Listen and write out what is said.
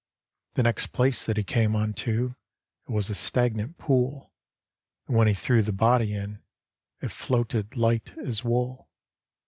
The next place that he came unto It was a stagnant pool, And when he threw the body in It floated, light as wool.